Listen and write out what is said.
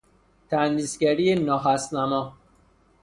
تندیس گری ناهستنما